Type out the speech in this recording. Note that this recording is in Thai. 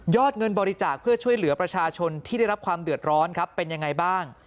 เงินบริจาคเพื่อช่วยเหลือประชาชนที่ได้รับความเดือดร้อนครับเป็นยังไงบ้าง